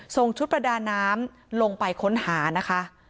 ชุดประดาน้ำลงไปค้นหานะคะ